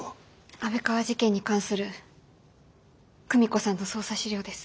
安倍川事件に関する久美子さんの捜査資料です。